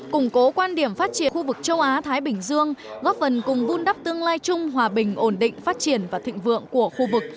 củng cố quan điểm phát triển khu vực châu á thái bình dương góp phần cùng vun đắp tương lai chung hòa bình ổn định phát triển và thịnh vượng của khu vực